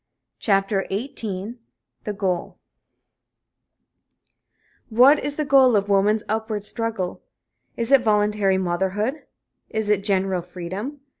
CHAPTER XVIII THE GOAL What is the goal of woman's upward struggle? Is it voluntary motherhood? Is it general freedom?